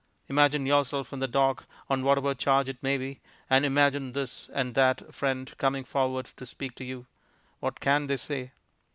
Imagine yourself in the dock, on whatever charge it may be, and imagine this and that friend coming forward to speak to you. What can they say?